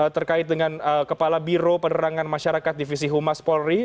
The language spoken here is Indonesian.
terkait dengan kepala biro penerangan masyarakat divisi humas polri